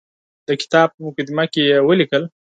د کتاب په مقدمه کې یې ولیکل.